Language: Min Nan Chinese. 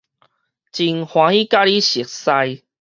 真歡喜佮你熟似